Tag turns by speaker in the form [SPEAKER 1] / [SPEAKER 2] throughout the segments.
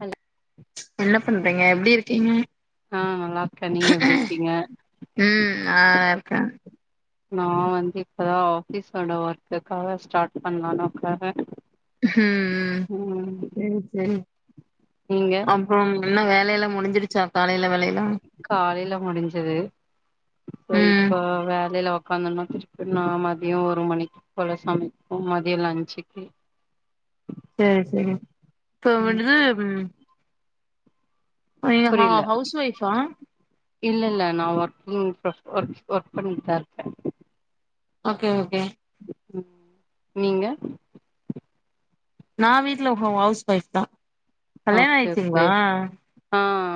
[SPEAKER 1] Hello
[SPEAKER 2] என்ன பண்றீங்க எப்டி இருக்கீங்க
[SPEAKER 1] ஆ நல்லா இருக்கே நீங்க எப்டி இருக்கீங்க
[SPEAKER 2] ம் அ நலாருக்கா
[SPEAKER 1] நா வந்து இப்பதா ஆஃபீஸோட ஒர்க்குக்காக ஸ்டார்ட் பண்ணலானுக்க
[SPEAKER 2] உஹ்ம் செரி செரி
[SPEAKER 1] நீங்க
[SPEAKER 2] அப்புறோ என்ன வேற வேல முடிஞ்சிருச்சா காலைல
[SPEAKER 1] காலைல முடிஞ்சுது ப்ப இப்ப
[SPEAKER 2] ம்
[SPEAKER 1] வேலைலா உட்காந்தோனா திருப்பி நா மதியோ ஒரு மணிக்கு போல சமைப்போ மதியோ லஞ்சுக்கு
[SPEAKER 2] செரி செரி இப்போ வண்டது உ
[SPEAKER 1] புரில
[SPEAKER 2] ஒய்ஃபா
[SPEAKER 1] இல்ல இல்ல நா ஒர்கிங் ஒர்க் ஒர்க் ஒர்க் பண்ணிட்தா இருக்கே
[SPEAKER 2] ஓகே ஓகே
[SPEAKER 1] நீங்க
[SPEAKER 2] நா வீட்டுல உ ஹவுஸ் ஒய்ஃப் தா கல்யாணோ
[SPEAKER 1] ஓகே ஓகே
[SPEAKER 2] ஆயிடுச்சிங்களா
[SPEAKER 1] ஆ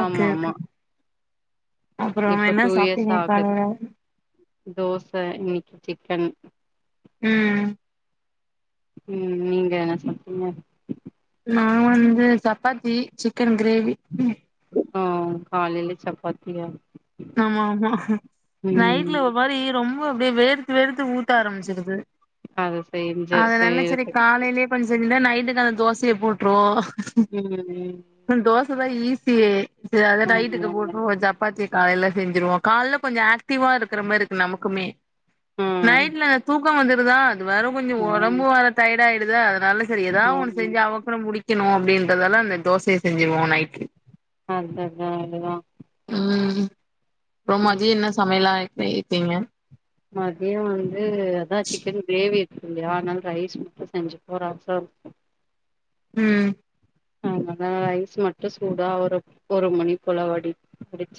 [SPEAKER 1] ஆமா ஆமா
[SPEAKER 2] அப்புறோ
[SPEAKER 1] இப்ப
[SPEAKER 2] என்ன
[SPEAKER 1] டூ இயர்ஸ்
[SPEAKER 2] சாப்ட்டிங்க
[SPEAKER 1] ஆகுது
[SPEAKER 2] காலேல
[SPEAKER 1] தோச இன்னைக்கு சிக்கன்
[SPEAKER 2] ம்
[SPEAKER 1] ம் நீங்க என்ன சாப்டிங்க
[SPEAKER 2] நா வந்து சப்பாத்தி சிக் சிக்கன் கிரேவி
[SPEAKER 1] காலில சப்பாத்தியா
[SPEAKER 2] ஆமா ஆமா நைட்ல
[SPEAKER 1] ம்
[SPEAKER 2] ஒரு மாரி ரொம் அப்டி வேறு வேர்த்து ஊத்த ஆரம்பிச்சிடுது
[SPEAKER 1] அத செஞ்சு
[SPEAKER 2] அதனால்ல செரி
[SPEAKER 1] செய்யறதுக்கு
[SPEAKER 2] காலையிலயே பண் சரி இல்ல நைட்டுக்கு அந்த தோசைய போட்டுருவோ
[SPEAKER 1] ம் ம்
[SPEAKER 2] சபாதி ஈஸியே செரி அத நைட்டுக்கு
[SPEAKER 1] ஆமாங்க
[SPEAKER 2] போட்டுருவோ சப்பாத்திய காலைல செஞ்சுருவோ காலைல கொஞ்சோ ஆக் சத்திவா இருக்க மாரிக்கு நமக்குமே
[SPEAKER 1] ஆ
[SPEAKER 2] நைட்ல எனக்கு தூ பக்கோ வந்துருதா வரு கொஞ்சோ
[SPEAKER 1] ஆ
[SPEAKER 2] உடம்பு வேர டையடா ஆயி ப்டிதா நல்ல சரி ஏதாவ ஒன்
[SPEAKER 1] ஆமா
[SPEAKER 2] செஞ்சு அவக் முடி வச்சணு அப்டின்றதெல்லா அந்த தோசைய செஞ்சுருவோ நைட்
[SPEAKER 1] அது அது அதுதா
[SPEAKER 2] அ அப்புறோ
[SPEAKER 1] ம்
[SPEAKER 2] மதியோ என்ன சமையல்லா இரு இருப்பீங்க
[SPEAKER 1] மதியோ வந் அது அதா சிக்கன் கிரேவி த் இல்லையா ஆனா ரைஸ் மட்டு செஞ்சுபோ ரசோ
[SPEAKER 2] ம்
[SPEAKER 1] ஆமா அதா ரைஸ் மட்டு சூடா ஒரு ஒரு மணி போல வடி வடிச்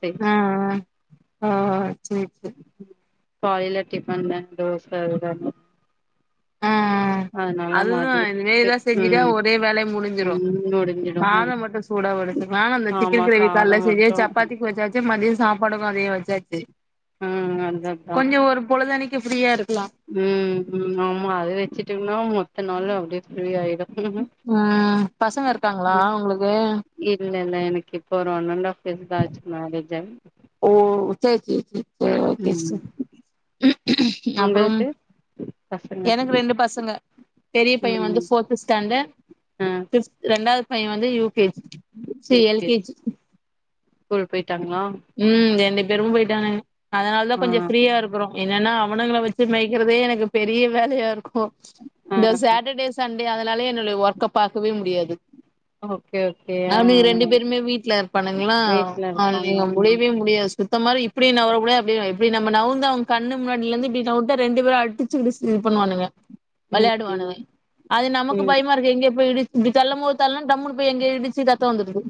[SPEAKER 1] செரி
[SPEAKER 2] ஓ செர் செர்
[SPEAKER 1] காலைல டிபன் அன் தோச எதாது
[SPEAKER 2] ஆ அதுதா
[SPEAKER 1] மதியத்துக்கு
[SPEAKER 2] இதேதா செஞ்சுட்டா
[SPEAKER 1] ம்
[SPEAKER 2] ஒரே வேலையா முடிஞ்சிரு
[SPEAKER 1] ம் முடிஞ்சிடு
[SPEAKER 2] கசாதம் மட்டு சூடா வச்சிக் நாங்க அந்த
[SPEAKER 1] ஆமா
[SPEAKER 2] சிக்கன்
[SPEAKER 1] சாதோ
[SPEAKER 2] கிரேவிக்கால்லா செஞ்சு
[SPEAKER 1] மட்டு
[SPEAKER 2] சப்பாத்திக்கு வச்சாச்சு மதியம் சாப்பாடுகு அதே வச் சரி சரி
[SPEAKER 1] ஆ அதா அதா
[SPEAKER 2] கொஞ்சோ ஒரு பொழுதனிக்
[SPEAKER 1] ம் ம் ஆமா அது வச்சுட்டுனா மொ அதனால அப்டியே ஃப்ரீ ஆயிரு
[SPEAKER 2] ம் பசங்க இருக்காங்களா
[SPEAKER 1] ம்
[SPEAKER 2] உங்ளுக்கு
[SPEAKER 1] இல்ல இல்ல எனக் இப்போ ஒரு ஒன் அண்ட் ஆஃப் இப்தா ஆச்சு மேரேஜ் அண்ட்
[SPEAKER 2] செர் செர் செர் செரி ஓகே சிஸ்டர் அப்றோ
[SPEAKER 1] உங்களுக்கு பசங்க
[SPEAKER 2] எனக்கு ரெண்டு பசங்க பெரிய பையன் வந்து
[SPEAKER 1] ம்
[SPEAKER 2] ஃபோர்த்து ஸ்டாண்டர்ட்
[SPEAKER 1] ஆ
[SPEAKER 2] ஃபிஃப்த் ரெண்டாவ்து பைய் ஒன் வந்து யு கே ஜி ச்சீ எல் கே ஜி
[SPEAKER 1] ஸ்கூல் பேய்
[SPEAKER 2] ம் இரண்டு பெறும் போய்ட்டாங்க அதனால தா
[SPEAKER 1] ஆ
[SPEAKER 2] கொஞ்ச ஃப்ரீய இருக்குறோ என்னனா அவனுங்கள வச்சு மேய்கறதே எனக்கு பெரிய வேலயா இருக்கும்
[SPEAKER 1] ஆ
[SPEAKER 2] இந்த சாட்டர்டே சண் டே அதனாலே என்னுடைய ஒர்க்க பாக்கவே முடியாது
[SPEAKER 1] ஓகே ஓகே ஆ
[SPEAKER 2] அவனுக ரெண்டு பேருமே வீட்ல இருப்பானுங்ளா
[SPEAKER 1] வீட்ல
[SPEAKER 2] மல்
[SPEAKER 1] இருப்பாங்களாமா
[SPEAKER 2] முடிவே முடியாது சுத்த மாரி இப்டி நவுரக்கூட அப்டியு இப்டி நம்ம நவுந்தா வும் கண்ணு முன்னாடிலந்து இப்டி சௌண்டத் ரெண்டு பேரும் அடிச்சு கிடிச்சுட்டு இது பண்ணுவானுங்க வேளையாடுவானுவ
[SPEAKER 1] ம்
[SPEAKER 2] அது நமக்கு
[SPEAKER 1] ம்
[SPEAKER 2] பயமாருக்கு எங்யோ போய் இடிச் இப்டி தள்ளம் போது தள்னா டம்முனு போய் எங்யோ இடிச்சி ரத்தோ வந்துருது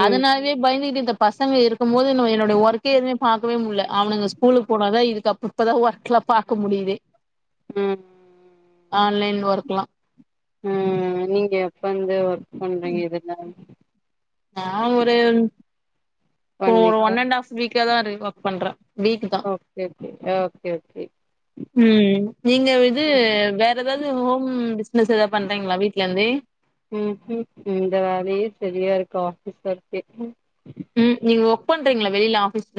[SPEAKER 1] ம்
[SPEAKER 2] அதனால்வே பயந்துகிட்டு இந்தப் பசங்க இருக்கும் போது நம்ம என்னுடைய ஒர்க்கே எதுமே பாக்கவே முல்ல அவனுங்க ஸ்கூலுக்கு போன தா இதுக் அப் இப்ப தா ஒர்க்லா பாக்க முடிதே
[SPEAKER 1] ம் ம்
[SPEAKER 2] ஆன் லைன் ஒர்க்லா
[SPEAKER 1] ம் நீங்க எப்பந்த ஒர்க் பண்றீங்க இதுல
[SPEAKER 2] நா ஒரு ஓ ஒன் அண்டு ஆப் வீக் இங்க தா ரீ ஒர்க் பண்ற வீக்தா
[SPEAKER 1] ஓகே ஓகே ஓகே ஓகே
[SPEAKER 2] ம் நீங்க இது
[SPEAKER 1] ம்
[SPEAKER 2] வேற ஏதாவது ஹோம் பிஸ் பிஸ்னஸ் எதே பண்றீங்களா வீட்டுலே இருந்தே
[SPEAKER 1] ம் ம் இந்த வேலே சரியா இருக்க ஆபீஸ் ஒர்க்கே
[SPEAKER 2] ம் நீங்க ஒர்க் பண்றீங்களா வெளியில ஆஃபீஸ்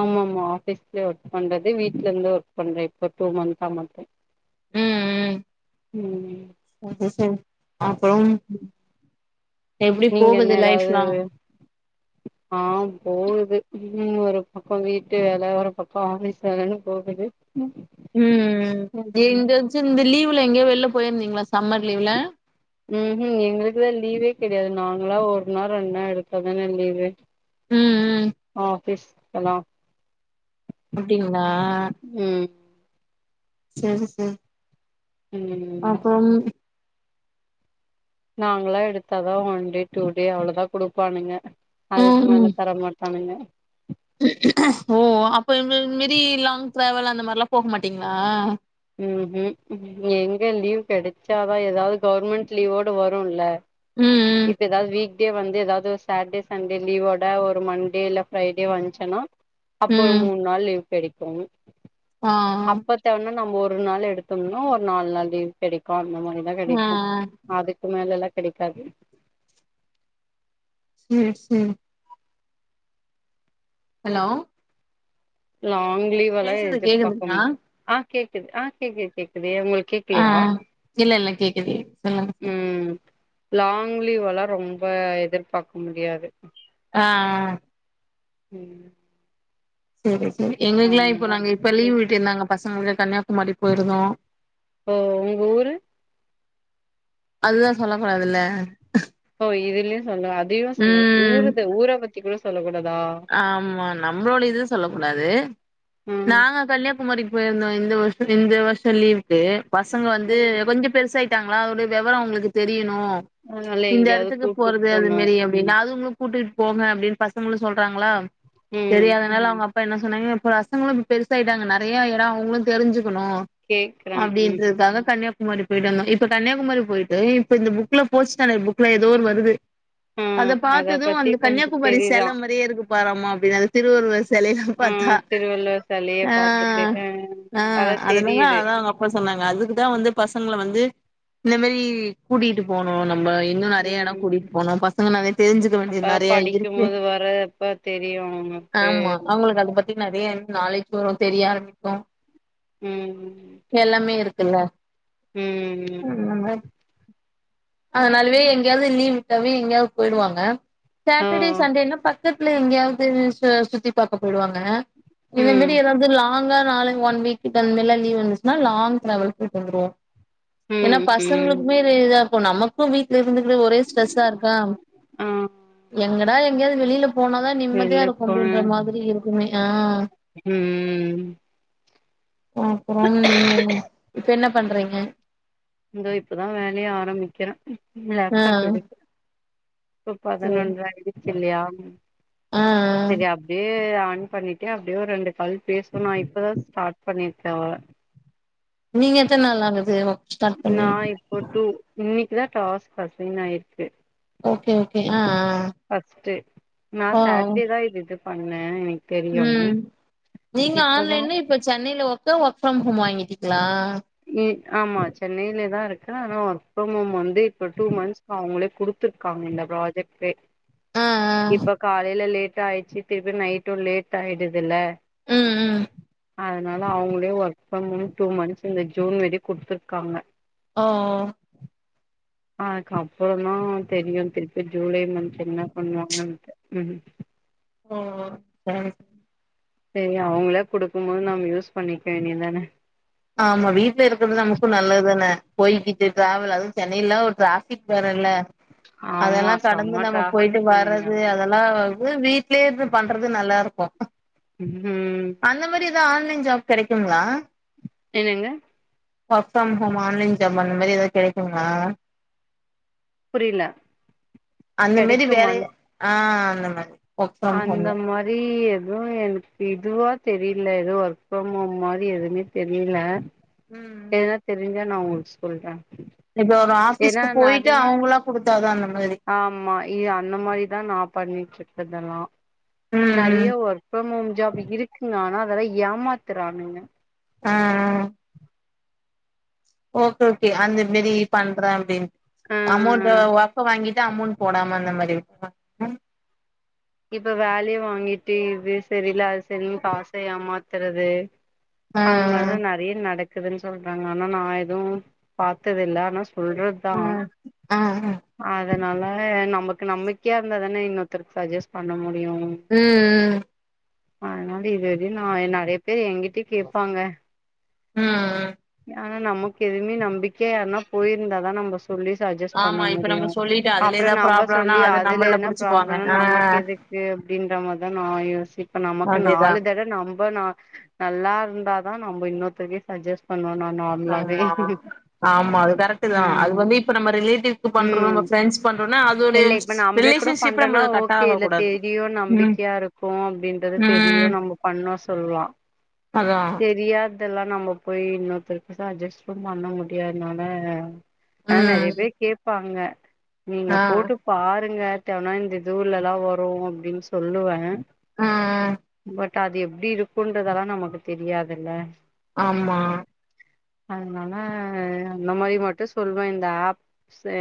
[SPEAKER 1] ஆமா ஆமா ஆஃபீஸ்ல ஒர்க் பண்றது வீட் வீட்டுல இருந்தே ஓர்க் பண்றே இப்போ டுமன்தா மட்டு
[SPEAKER 2] உம்
[SPEAKER 1] ம்
[SPEAKER 2] உம் சரி சரி அப்புறம் எப்டி
[SPEAKER 1] நீங்க என்ன
[SPEAKER 2] போகுது
[SPEAKER 1] ஏதாவது
[SPEAKER 2] லைஃப்லா
[SPEAKER 1] ஆ போகுது ம் ஒரு பக்கோ வீட்டு வேல ஒரு பக்கோ ஆஃபீஸ் வேலன்னு போகுது
[SPEAKER 2] உம் எங்காச்சி இந்த லீவ் ல்ல எங்கே வெளில போயிருந்தீங்களா சம்மர் லீவ்ல
[SPEAKER 1] ம் ஹ்ம் எங்களுக்குளா லீவே கெடையாது நாங்களா ஒரு நாள் ரெண்டு நாள் எடுத்தாதானே லீவு
[SPEAKER 2] ம் ம்
[SPEAKER 1] ஆ பேஸ் எனா
[SPEAKER 2] அப்டிங்களா
[SPEAKER 1] ம்
[SPEAKER 2] சரி சரி
[SPEAKER 1] ம் நாங்களா எடுத்தாதா ஒன்டே டூடே அவுளதா குடுப்பானுங்க அதுக்கு
[SPEAKER 2] ம் ம்
[SPEAKER 1] மேல தர மாட்டானுங்க
[SPEAKER 2] ஓ அப்ப இது மாரி லாங்ட்ராவல் அந்த மாரிலா போக மாட்டீங்களா
[SPEAKER 1] ம் ம் எங்க லீவ் கெடச்சாதா ஏதாவது கவர்மெண்ட் லீவோடு வருலே
[SPEAKER 2] ம்
[SPEAKER 1] இதுதா வீக் எப்டியே வந்து ஏதாவது சாட்டர்டே சண்டே லீவோட ஒரு மண்டேயில்ல ஃப்ரைடே வந்துச்னா அப்ப ஒரு
[SPEAKER 2] ம்
[SPEAKER 1] மூணு நாள் லீவ் கெடைக்கும்
[SPEAKER 2] ஆ ஆ
[SPEAKER 1] அப்பத்தனோ நம்ம ஒரு நாள் எடுத்தோனா ஒரு நாலு நாள் லீவு கெடைக்கோ அந்த மாரிதா
[SPEAKER 2] ஆ
[SPEAKER 1] கெடைக்கு அது அது மேலல்லா கெடைக்காது
[SPEAKER 2] செரி செரி ஹலோ
[SPEAKER 1] லாங் லீவல்லா
[SPEAKER 2] பேசுறது
[SPEAKER 1] எடுப்பாப்பமே
[SPEAKER 2] கேக்குதுங்களா
[SPEAKER 1] ஆ கேக்குது ஆ கேக்குது கேக்குது உங்களுக்கு
[SPEAKER 2] ஆ
[SPEAKER 1] கேக்கலையா
[SPEAKER 2] இல்ல இல்ல கேக்குது சொல்லுங்க சொல்லுங்க
[SPEAKER 1] ம் லாங் லீவல்லா ரொம்ப எதிர்பார்க்க முடியாது
[SPEAKER 2] ஆஹ
[SPEAKER 1] ம்
[SPEAKER 2] சேரி எங்களுக்கயேல்லா இப்போ நாங்க இப்ப
[SPEAKER 1] அதனால
[SPEAKER 2] லீவ் விட்டுயிருந்தாங்க பசங்களு கன்னியாகுமரி போயிருந்தோ
[SPEAKER 1] ஓ உங்க ஊரு
[SPEAKER 2] அதுதா சொல்லகுடாதுல்ல
[SPEAKER 1] அப்ப இதுல சொல்ல அதையும் சொல்ல
[SPEAKER 2] ம்
[SPEAKER 1] ஊரு ஊரை பத் இப்டி சொல்லக்கூடாது
[SPEAKER 2] ஆமா நம்மளோட இது சொல்லக்கூடாது
[SPEAKER 1] ம்
[SPEAKER 2] நாங்க கன்னியா குமரிக்கு போயிருந்தோ இந்த வருஷ இந்த வருஷ லீவுக்கு பசங்க வந்து
[SPEAKER 1] ம்.
[SPEAKER 2] கொஞ்சம் பெருசாய் திங்களா வெவரம் உங்களுக்கு தெரிய னு
[SPEAKER 1] அதனால
[SPEAKER 2] இந்த
[SPEAKER 1] எங்கேயாவது
[SPEAKER 2] இடத்துக்கு
[SPEAKER 1] கூட்டு
[SPEAKER 2] போறது அது
[SPEAKER 1] போனு
[SPEAKER 2] மாரி அப்டினு அது கூட்டிட்டு போங்க அப்டின்னு பசங்களுக்கு சொல்றாங்களா
[SPEAKER 1] ம்
[SPEAKER 2] தெரியதனால அவுங்க அப் பா என்ன சொன்னாங்க இப்ப பசங்களும் பெருசாயிட்டாங்க நெறைய இடம் அவங்களும் தெரிந்சு க்கணும்
[SPEAKER 1] கேக்குறாங் ம்
[SPEAKER 2] அப்டின்றதுக்காக கன்னியா குமரிக்கு போயிட்டு வந்தோம் இப்ப கன்னியாகுமரி போயிட்டு இப்ப இந்த புக்குல போர்த்து ஸ்டாண்டர்ட் புக்ல ஏதோ ஒரு வருது
[SPEAKER 1] ஆ
[SPEAKER 2] அத பாத்ததும்
[SPEAKER 1] பத்தி
[SPEAKER 2] அந்த
[SPEAKER 1] கொஞ்ச
[SPEAKER 2] கன்னியாகுமரி
[SPEAKER 1] தெரிதா
[SPEAKER 2] சேலை மாரி அப்டியே இருக்கு பாரம்மா திருவள்ளுவர் சிலையாம்
[SPEAKER 1] ஆ
[SPEAKER 2] பாத்தா
[SPEAKER 1] திருவள்ளுவர் செலைய
[SPEAKER 2] அ
[SPEAKER 1] பாத்துட்டு ஆ
[SPEAKER 2] அ
[SPEAKER 1] அதா
[SPEAKER 2] அதனால
[SPEAKER 1] தெரியுது
[SPEAKER 2] அதான் அவங்க அப்பா சொன்னாங்க அதுக்கு தா வந்து பசங் கள வந்து இந்த மாரி கூட்டிட்டு போனும் நம்ம இன்னும் நெறைய இடம்
[SPEAKER 1] ம்
[SPEAKER 2] கூட்டிகிட்டு போனும் பசங்க நெறைய தெரிஞ்சுக்க வேண்டியது நெறைய இருக்கு
[SPEAKER 1] இப்ப தெரியும் உனக்கு
[SPEAKER 2] நாளைக்கு வரும் தெரிய ஆரம்பிக்கும்
[SPEAKER 1] ம்
[SPEAKER 2] இல்ல
[SPEAKER 1] ம் ம்
[SPEAKER 2] அதனாலயே எங்கயாது லீவு விட்டாவே எங்கயாவது போயிடுவாங்க
[SPEAKER 1] ஆ
[SPEAKER 2] சாட்டர்டே சண்டேனா பத் பக்கத்துல எங்கயாவது சுத்தி பாக்கா போயிடுவாங்க இத
[SPEAKER 1] ம்
[SPEAKER 2] மாரி ஏதாவது லாங்கா [unintelligible] ஒன் வீக்கிட்ட லீவ் வந்துச்சுன்னா லாங் டராவல் போய்ட்டு வந்துடுவோம் ஏன்னா
[SPEAKER 1] ம் ம்
[SPEAKER 2] பசங்களுக்குமே [unintelligible] நமக்கு வீட்ல இருந்து ந்து ஒரே ஸ்ட்ரெஸ்ஸா இருக்கா
[SPEAKER 1] ஆ
[SPEAKER 2] எங்க தா எங்யாது வெளில போனாதா நிம்மதியா
[SPEAKER 1] வெளில
[SPEAKER 2] இருக்கு
[SPEAKER 1] போன
[SPEAKER 2] அப்படின்ற மாதிரி இருக்குமே ஆ
[SPEAKER 1] ம்
[SPEAKER 2] போ அப்புறோ நீங்க இப்ப என்ன பண்றீங்க
[SPEAKER 1] இந்தோ இப்பதா வேலைய ஆரம்பிக்கிறே
[SPEAKER 2] ஆ
[SPEAKER 1] லாப்டாப் எடுக்கு இப்ப
[SPEAKER 2] சேரி
[SPEAKER 1] பதினொன்ற ஆயிடுச்சு இல்லையா
[SPEAKER 2] ஆ ஆ
[SPEAKER 1] சரி அப்டியே ஆண் பண்ணிட்டே அப்டியே ஒரு ரெண்டு கல் பேச நா இப்பதா ஸ்டார்ட் பண்ணிக் ரவா
[SPEAKER 2] நீங்க எத்த நாள் ஆகுது ஒர்க் ஸ்டார்ட்
[SPEAKER 1] நா
[SPEAKER 2] பண்ணி
[SPEAKER 1] இப்போ டு மினி இதா டாஸ் அசைன் ஆயிருக்கு
[SPEAKER 2] ஓகே ஓகே ஆ அ
[SPEAKER 1] ஃபஸ்டு நா சாட்டே தா இருதுது பண்ணே எனிக்
[SPEAKER 2] ம் நீங்க
[SPEAKER 1] இப்பதா
[SPEAKER 2] ஆன்லைன்ல இப்ப சென்னைல ஒர்க் அதா ஒர்க்ஃப்ரம் ஹோம் வாங்கிடிங்களா
[SPEAKER 1] நீட் ஆமா சென்னையில தா இருக்குற ஆனா வர்க்ஃப்ரம் ஹோம் வந்து இப்ப டூ மந்த்ஸ் அவுங்களே குடுத்துருக்காங்க இந்த ப்ராஜெக்ட்டே
[SPEAKER 2] ஆ
[SPEAKER 1] இப்ப
[SPEAKER 2] ஆ
[SPEAKER 1] காலைல லேட் இது ஆயிடுச்சு திருப்பி நைட்டு லேட் ஆயிடுதுல்ல
[SPEAKER 2] ம் ம்
[SPEAKER 1] அதனால அவுங்களே ஒர்க் பன் டூ மந்த்ஸ் இந்த ஜூன் வரி குடுத்துருக்காங்க
[SPEAKER 2] ஓ ஓ
[SPEAKER 1] அ அதுக்கு அப்புற தா தெரியு திருப்பி ஜூலை மன்த் என்ன பண்ணுவா ம் ம்ஹ்ம்
[SPEAKER 2] ஓ சரி
[SPEAKER 1] சரி அவங்களா குடுக்கு போது நம் யூஸ் பண்ணிக்க வேண்டிதானே
[SPEAKER 2] ஆமா வீட்ல இருக்றது நமக்கு நல்லது தானே போய்கிட்டு ட்ராவல் அதுவு சென்னைல்லா ஒரு ட்ராஃபிக் வேற ல
[SPEAKER 1] ஆமா
[SPEAKER 2] அதெல்லா
[SPEAKER 1] செம
[SPEAKER 2] கடந்து நாம போயிட்டு
[SPEAKER 1] டிராஃபிக்குங்க
[SPEAKER 2] வர்றது
[SPEAKER 1] இங்கெல்லா
[SPEAKER 2] அதெல்லா அது வீட்லயே இருந்து பண்றது நல்லா இருக்கு
[SPEAKER 1] ம்ஹும்
[SPEAKER 2] து ஆன்லைன் ஜாப் கெடைக்குங்ளா?
[SPEAKER 1] என்னங்க
[SPEAKER 2] work from home online job அந்த மாரி எதா கெடைக்குங்ளா?
[SPEAKER 1] புரில
[SPEAKER 2] அந்த மாரி வேலய ஆ அந்த மாரி ஒர்க் ஃப்ரம்
[SPEAKER 1] அந்த
[SPEAKER 2] ஹோம்ல
[SPEAKER 1] மாரி எ துவு எனக்கு இதுவா தெரில எது ஒர்க் ஃப்ரம் ஹோம் மாரி எதுமே தெரில
[SPEAKER 2] ம் ம்
[SPEAKER 1] தா நா உங்களு சொல்றே
[SPEAKER 2] இப்ப ஒரு ஆஃபிஸ்க்கு போயிட்டு அவுங்களா குடுத்தாதானம்
[SPEAKER 1] ஆம்மா இ அந்த மாரிதா நா பண்ணி செக் பண்ணலா
[SPEAKER 2] ம்
[SPEAKER 1] நறைய
[SPEAKER 2] ம்
[SPEAKER 1] ஒர்க் ஃப்ரம் ஹோம் ஜாப் இருக்குங்க ஆனா அ தல ஏமாத்துறானுங்க
[SPEAKER 2] ஆ ஆ ஓகே ஓகே அந்த மேரி பண்றா அப்டின்
[SPEAKER 1] ஆ
[SPEAKER 2] அமௌண்ட்ட ஒர்க்க வாங்கிட்டு அமௌண்ட் போடாம அந்த மாரி [inaudible]
[SPEAKER 1] இப்ப வேலைய வாங்கிட்டு இது சரியில அது சரியிலன் காச ஏமாத்தறது
[SPEAKER 2] ஆ
[SPEAKER 1] அந்த மார்லா நறைய நடக் க்குதுன் சொல்றாங்க ஆனா நா எதுவு பாத்ததில்ல ஆனா சொல்றதுதா
[SPEAKER 2] ஆ
[SPEAKER 1] அதனால நமக் கு நம்பிக்கையா இருந்தாதானெ இன்னோர்த்தருக்கு சஜஸ் பண்ணமு டியு
[SPEAKER 2] ம்
[SPEAKER 1] அதுனால இது வரையு நா எ நறைய பே எங்கிட்ட கேப்பாங்க
[SPEAKER 2] ம் ம்
[SPEAKER 1] ஆனா நமக்கு எதுவுமே நம்பிக்கையா யார்னா போயிருந்தாதா நம்ம சொல்லி சஜ்ஜஸ் பண்ண
[SPEAKER 2] ஆமா இப்ப
[SPEAKER 1] முடியு
[SPEAKER 2] நம்ம சொல்லிட்டு அதுல
[SPEAKER 1] அப்பற
[SPEAKER 2] ஏதா
[SPEAKER 1] நம்ப
[SPEAKER 2] ப்ராப்ளம்னா
[SPEAKER 1] சொல்லி
[SPEAKER 2] அது
[SPEAKER 1] அதுல
[SPEAKER 2] நம்மள
[SPEAKER 1] எதுனா
[SPEAKER 2] புடிச்சுக்குவாங்க
[SPEAKER 1] ப்ராப்ளனா
[SPEAKER 2] ஆ
[SPEAKER 1] நமக்கு எதுக்கு அப்டின்ற மாரிதா நா யோசிப்ப நமக்கு
[SPEAKER 2] அதேதா
[SPEAKER 1] நாலு தட நம்ப நா நல்லா இருந்தாதா நம்ப இன்னொர்த்தர்கே சஜ்ஜஸ் பண்ணுவோ நா நார்மலாவே
[SPEAKER 2] ஆமா ஆமா அது கரெக்ட் தா அது வந்து இப்ப நம்ம ரிலேட்டிவ்க்கு பண்றோ
[SPEAKER 1] ம்
[SPEAKER 2] நம்ம ஃப்ரெண்ட்ஸ் பண்றோம்னா அதோடைய
[SPEAKER 1] இல்ல இப்ப நம்பளே கூட
[SPEAKER 2] ரிலேஷன்ஷிப்
[SPEAKER 1] பண்றொன்னா
[SPEAKER 2] நம்மளுக்கு கட்
[SPEAKER 1] ஓகே
[SPEAKER 2] ஆக
[SPEAKER 1] இல்ல
[SPEAKER 2] கூடாது
[SPEAKER 1] தெரியு
[SPEAKER 2] ம்
[SPEAKER 1] நம்பிக்கையா இருக்கு அப்டின்றத தெரியு
[SPEAKER 2] ம்
[SPEAKER 1] நம்ப பண்ணோ சொல்லா
[SPEAKER 2] அதா
[SPEAKER 1] தெரியா தெல்லா நம்ம போய் இன்னொருத்தருக்கொச அட்ஜஸ்லா பண்ண முடியாதுனால ஆ நெறைய
[SPEAKER 2] ம்
[SPEAKER 1] பேர் கேப்பாங்க நீங்க
[SPEAKER 2] ஆ
[SPEAKER 1] போட்டு பாருங்க ட்டோன்னா இந்த ஜூன்லதா வரு அப்டின் சொல்லுவாங்க
[SPEAKER 2] ஆ
[SPEAKER 1] பட் அது எப்டி இருக்குன்றதெல்லா நமக்கு தெரியாதில்ல
[SPEAKER 2] ஆமா
[SPEAKER 1] அதனால அந்த மாரி மட்டு சொல்வே இந்த ஆப்ஸு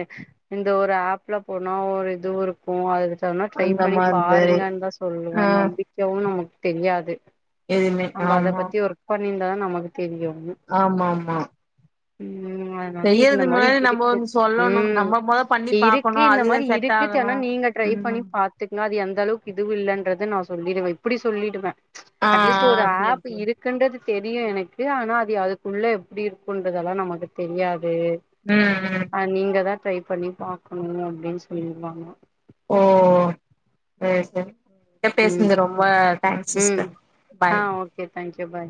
[SPEAKER 1] இந்த ஒரு ஆப்ல போனா ஒரு இதுவு இருக்கு அது வேண்ணா ட்ரை
[SPEAKER 2] அந்த
[SPEAKER 1] பண்ணி
[SPEAKER 2] மாதிரி
[SPEAKER 1] பாருங்கன்தா சொல்லுவே
[SPEAKER 2] ஆ
[SPEAKER 1] நம்பிக்கையாவு நமக்கு தெரியாது
[SPEAKER 2] எதுமே ஆமா
[SPEAKER 1] ணிருந்தா நமக்கு தெரியு
[SPEAKER 2] ஆமா ஆமா
[SPEAKER 1] ம் ம் அதனால இந்த
[SPEAKER 2] செய்யறது
[SPEAKER 1] மாரி
[SPEAKER 2] முன்னாடி நம்ம
[SPEAKER 1] இருக்கு
[SPEAKER 2] வந்து சொல்லணு
[SPEAKER 1] ம்
[SPEAKER 2] நம்ம மொத பண்ணி பாக்கணு
[SPEAKER 1] இருக்கு இந்த
[SPEAKER 2] அது
[SPEAKER 1] மாரி
[SPEAKER 2] செட்
[SPEAKER 1] இருக்குச்
[SPEAKER 2] ஆகணு
[SPEAKER 1] ஆனா நீங்க ட்ரை பண்ணி
[SPEAKER 2] ம்
[SPEAKER 1] பாத்துக்ங்க அது எந் அந்த அளவுக்கு இதுவு இல்லன்றத நா சொல்லிருவே இப்பிடி சொல்லிடுவே
[SPEAKER 2] ஆ
[SPEAKER 1] அட்லீஸ்ட் ஒரு
[SPEAKER 2] ஆ சேரி
[SPEAKER 1] ஆப்
[SPEAKER 2] சேரி
[SPEAKER 1] இருக்குன்றது தெரியு எனக்கு ஆனா அது அதுக்குள்ள எப்டி இருக்குன்றதெல்லா நமக்கு தெரியா து
[SPEAKER 2] ம் ம்
[SPEAKER 1] ஆ நீங்கதா ட்ரை பண்ணி பாக்கணு அப்டின்னு சொல்லிருவ நா
[SPEAKER 2] ஓ சேரி சேரி என்ட்ட
[SPEAKER 1] ம்
[SPEAKER 2] பேசுனது ரொம்ப தேங்க்ஸ்
[SPEAKER 1] ம்
[SPEAKER 2] சிஸ்டர்
[SPEAKER 1] ஆ
[SPEAKER 2] பாய்
[SPEAKER 1] ஓகே தேங்க்யூ பாய்